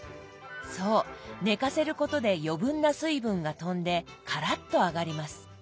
そう寝かせることで余分な水分が飛んでカラッと揚がります。